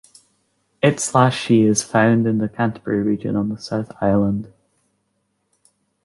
It/She is found in the Canterbury region on the South Island.